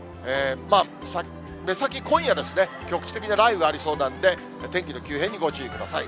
目先、今夜ですね、局地的な雷雨がありそうなんで、天気の急変にご注意ください。